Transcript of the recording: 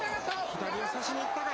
左を差しにいったが。